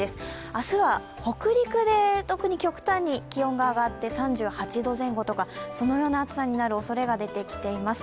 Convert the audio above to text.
明日は北陸で特に極端に気温が上がって３８度前後とかそのような暑さになるおそれが出てきています。